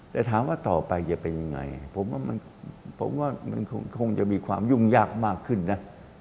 แต่ถามว่าต่อไปจะเป็นยังไงผมว่าผมว่ามันคงจะมีความยุ่งยากมากขึ้นนะ